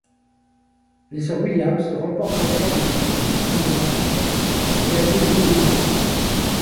Les sœurs Williams remportent ensemble le titre du double dames sur le gazon londonien.